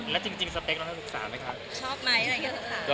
แล้วจริงสเปคนักศึกษาไหมครับ